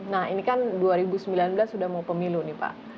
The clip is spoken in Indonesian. nah ini kan dua ribu sembilan belas sudah mau pemilu nih pak